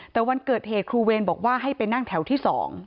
แต่วันเกิดเหตุครูเวรบอกว่าให้ไปนั่งแถวที่๒